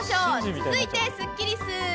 続いてスッキりす。